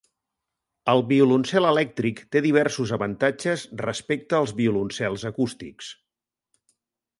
El violoncel elèctric té diversos avantatges respecte als violoncels acústics.